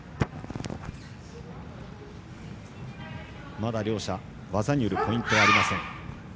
まだ両者、技によるポイントはありません。